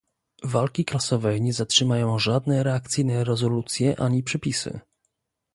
Walki klasowej nie zatrzymają żadne reakcyjne rezolucje ani przepisy